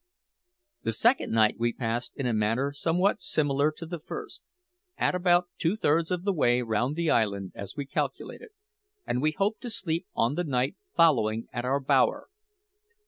The second night we passed in a manner somewhat similar to the first at about two thirds of the way round the island, as we calculated and we hoped to sleep on the night following at our bower.